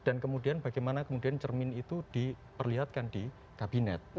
dan kemudian bagaimana kemudian cermin itu diperlihatkan di kabinet